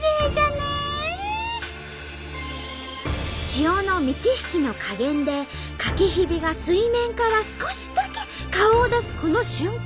潮の満ち引きの加減でかきひびが水面から少しだけ顔を出すこの瞬間。